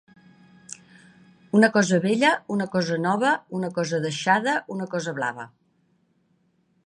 Una cosa vella, una cosa nova, una cosa deixada, una cosa blava.